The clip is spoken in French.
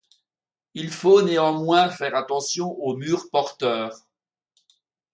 Il faut néanmoins faire attention au mur porteur.